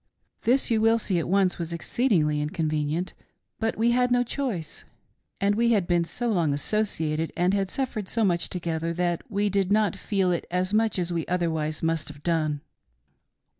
This you will see at once was exceedingly in convenient, but we had no choice, and we had been so long associated and had suffered so much together that we did not feel it as much as we otherwise must have done.